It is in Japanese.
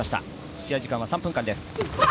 試合時間３分間です。